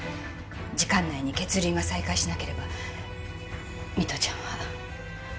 時間内に血流が再開しなければ美都ちゃんは。